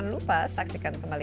terima kasih sekali